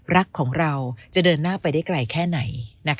รักของเราจะเดินหน้าไปได้ไกลแค่ไหน